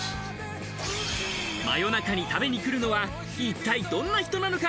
真夜中に食べに来るのは一体どんな人なのか？